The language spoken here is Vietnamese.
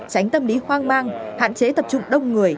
tránh tâm lý hoang mang hạn chế tập trung đông người